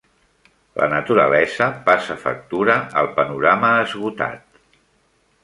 La naturalesa passa factura al panorama esgotat.